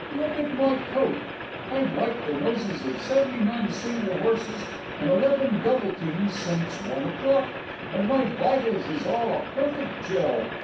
Look at my coat! I've wiped the noses of seventy nine single horses and eleven double teams sence one o'clock, and my vitals is all a perfect jell.